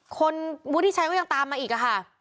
คนที่วุฒิชัยก็ยังตามมาอีกค่ะ